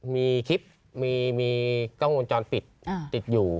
มีคลิปมีกล้องวงจรปิดติดอยู่